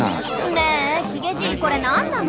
ねえヒゲじいこれ何なの？